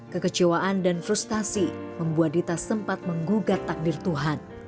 kekecewaan dan frustasi membuat dita sempat menggugat takdir tuhan